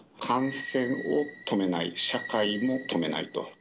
感染を止めない、社会も止めないと。